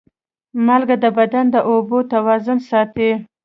مالګه د بدن د اوبو توازن ساتي.